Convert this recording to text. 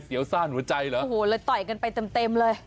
วซ่านหัวใจเหรอโอ้โหเลยต่อยกันไปเต็มเต็มเลย